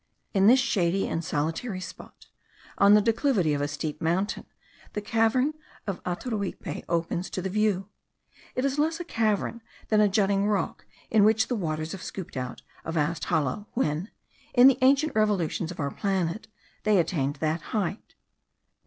In this shady and solitary spot, on the declivity of a steep mountain, the cavern of Ataruipe opens to the view. It is less a cavern than a jutting rock in which the waters have scooped a vast hollow when, in the ancient revolutions of our planet, they attained that height.